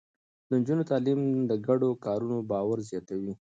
د نجونو تعليم د ګډو کارونو باور زياتوي.